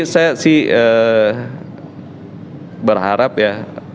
saya sih berharap ya